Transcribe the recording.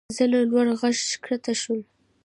زه له لوړ غره ښکته شوم.